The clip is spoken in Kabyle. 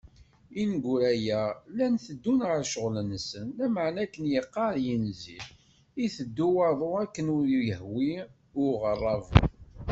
Ineggura-a, llan teddun ɣer ccɣel-nsen, lameεna akken yeqqaṛ yinzi iteddu waḍu akken ur as-yehwi i uɣeṛṛabu.